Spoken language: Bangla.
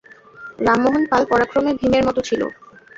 রামমোহন মাল পরাক্রমে ভীমের মত ছিল।